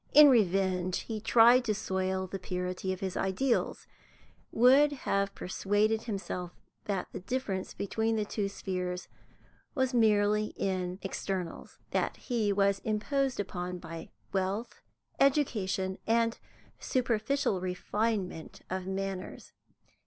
In revenge, he tried to soil the purity of his ideals; would have persuaded himself that the difference between the two spheres was merely in externals, that he was imposed upon by wealth, education, and superficial refinement of manners.